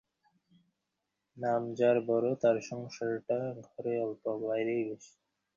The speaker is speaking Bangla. নাম যার বড়ো তার সংসারটা ঘরে অল্প, বাইরেই বেশি।